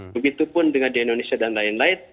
begitupun dengan di indonesia dan lain lain